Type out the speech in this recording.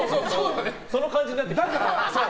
その感じになってきてる。